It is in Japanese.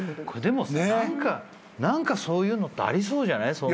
でも何かそういうのってありそうじゃない。